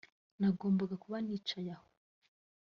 nagombaga kuba nicaye aho